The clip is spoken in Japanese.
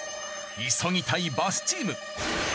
急ぎたいバスチーム。